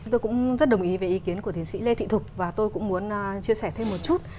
tôi cũng rất đồng ý về ý kiến của thiền sĩ lê thị thục và tôi cũng muốn chia sẻ thêm một chút